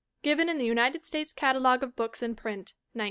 Given in the United States Catalogue of Books in Print (1912).